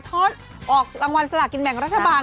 ทอดออกรางวัลสลากินแบ่งรัฐบาล